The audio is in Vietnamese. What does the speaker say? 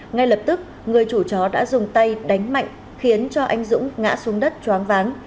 ngay lập tức người chủ chó đã dùng tay đánh mạnh khiến cho anh dũng ngã xuống đất choáng váng